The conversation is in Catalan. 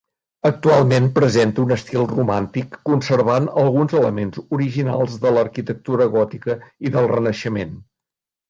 Actualment presenta un estil romàntic conservant alguns elements originals de l'arquitectura gòtica i del Renaixement.